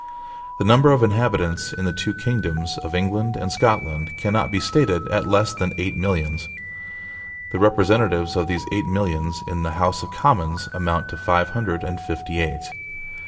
The number of inhabitants in the two kingdoms of England and Scotland cannot be stated at less than eight millions. The representatives of these eight millions in the House of Commons amount to five hundred and fifty eight.